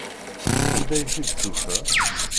Anda ay t-id-tufa?